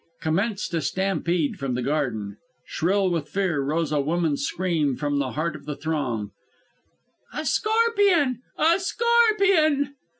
Commenced a stampede from the garden. Shrill with fear, rose a woman's scream from the heart of the throng: "A scorpion! a scorpion!"